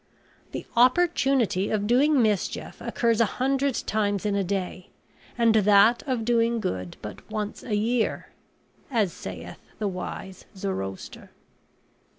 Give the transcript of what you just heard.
"The opportunity of doing mischief occurs a hundred times in a day, and that of doing good but once a year," as sayeth the wise Zoroaster.